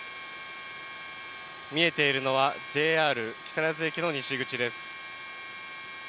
見えているのは、ＪＲ木更津駅の西口です。